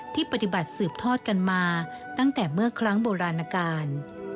ปฏิบัติสืบทอดกันมาตั้งแต่เมื่อครั้งโบราณการ